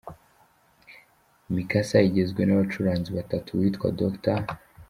Mi Casa igizwe n’abacuranzi batatu uwitwa Dr.